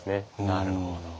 なるほど。